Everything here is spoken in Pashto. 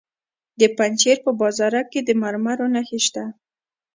د پنجشیر په بازارک کې د مرمرو نښې شته.